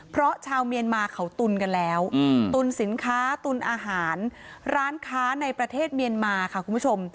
เพราะชาวเมียนมาเขาตุนกันแล้วตุนสินค้าตุนอาหารร้านค้าในประเทศเมียนมาค่ะคุณผู้ชม